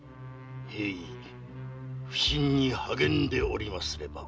〔鋭意普請に励んでおりますれば〕